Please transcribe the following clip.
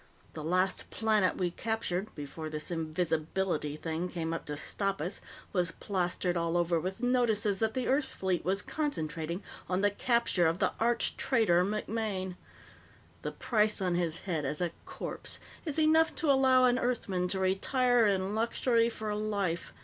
The last planet we captured, before this invisibility thing came up to stop us, was plastered all over with notices that the Earth fleet was concentrating on the capture of the arch traitor MacMaine. "The price on his head, as a corpse, is enough to allow an Earthman to retire in luxury for life.